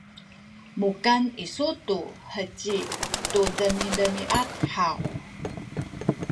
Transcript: mukan kisu tu heci tu demiamiad haw?